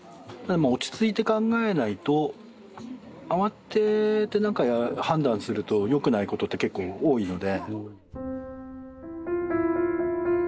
落ち着いて考えないと慌ててなんか判断すると良くないことって結構多いので。